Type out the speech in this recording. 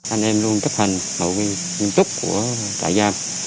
anh em luôn cấp hành hậu nguyên chức của trại giam